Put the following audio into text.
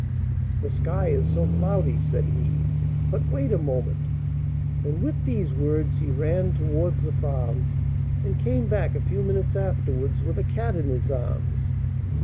'The sky is so cloudy,' said he; 'but wait a moment;' and with these words he ran towards the farm, and came back a few minutes afterwards with a cat in his arms.